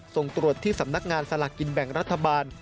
ส่งตรวจที่สำนักงานสลากกินแบ่งรัฐบาล